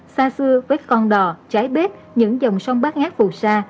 xa xưa với con đò trái bết những dòng sông bát ngát phù sa